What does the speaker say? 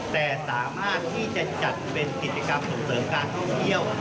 แต่สามารถที่จะจัดเป็นกิจกรรมส่งเสริมการท่องเที่ยว